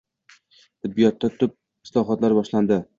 Tibbiyotda tub islohotlar boshlandi